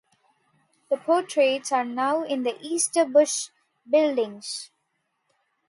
The portraits are now in the Easter Bush buildings.